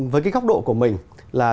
với cái góc độ của mình là